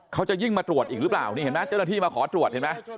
เขาจะยิ่งมาตรวจอีกหรือเปล่านี่เห็นไหมเจ้าหน้าที่มาขอตรวจเห็นไหม